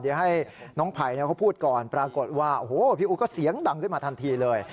เดี๋ยวให้น้องไผ่เขาพูดก่อนปรากฏว่าโอ้โหพี่อู๋ก็เสียงดังขึ้นมาทันทีเลย